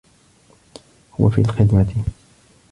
هو في الخدمة.